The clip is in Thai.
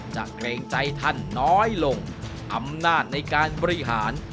เกรงใจท่านน้อยลงอำนาจในการบริหาร